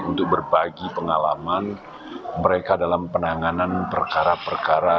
untuk berbagi pengalaman mereka dalam penanganan perkara perkara